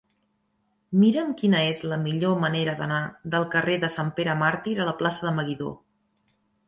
Mira'm quina és la millor manera d'anar del carrer de Sant Pere Màrtir a la plaça de Meguidó.